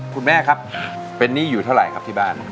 คุณแม่ครับเป็นหนี้อยู่เท่าไหร่ครับที่บ้าน